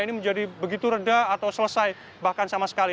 ini menjadi begitu reda atau selesai bahkan sama sekali